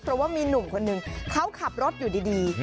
เพราะว่ามีหนุ่มคนหนึ่งเขาขับรถอยู่ดี